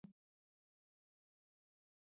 د لوبیا پوستکی د څه لپاره وکاروم؟